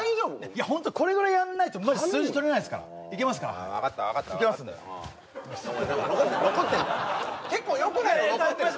いやホントこれぐらいやんないとマジ数字取れないですからいけますから分かった分かった分かったよいけますんで残ってんじゃん結構よくないの残ってるよ